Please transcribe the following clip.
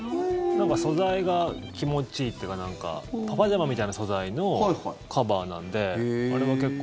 素材が気持ちいいっていうかパジャマみたいな素材のカバーなんで